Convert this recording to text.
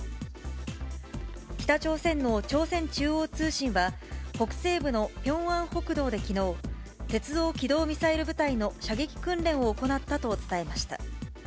北朝鮮の朝鮮中央通信は、北西部のピョンアン北道できのう、鉄道機動ミサイル部隊の射撃訓練を行ったと伝えました。